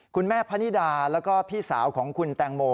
คุณแม่พนิดาแล้วก็พี่สาวของคุณแตงโม